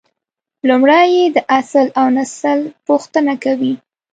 لومړی یې د اصل اونسل پوښتنه کوي.